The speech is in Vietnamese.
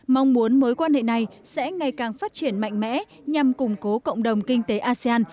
mong muốn mối quan hệ này sẽ ngày càng phát triển mạnh mẽ nhằm củng cố cộng đồng kinh tế asean